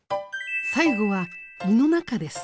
最後は胃の中です。